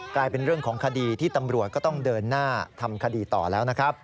กลายเป็นเรื่องของคดีที่ตำรวจก็ต้องเดินหน้าทำคดีต่อแล้วนะครับ